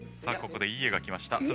さあここで「いいえ」が来ました。